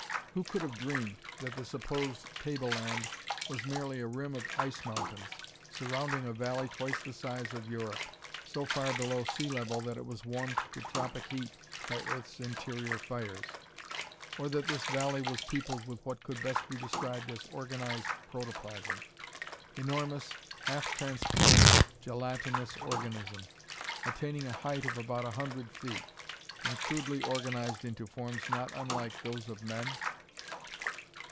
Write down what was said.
Who could have dreamed that the supposed table land was merely a rim of ice mountains, surrounding a valley twice the size of Europe, so far below sea level that it was warmed to tropic heat by Earth's interior fires? Or that this valley was peopled with what could best be described as organized protoplasm? Enormous, half transparent, gelatinous organism, attaining a height of about a hundred feet, and crudely organized into forms not unlike those of men?